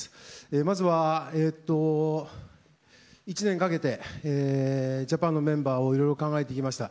まずは、１年かけてジャパンのメンバーをいろいろ考えてきました。